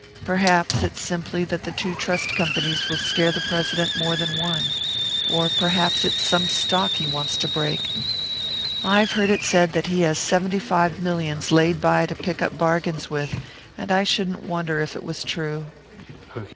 Perhaps it's simply that two trust companies will scare the President more than one; or perhaps it's some stock he wants to break. I've heard it said that he has seventy five millions laid by to pick up bargains with; and I shouldn't wonder if it was true."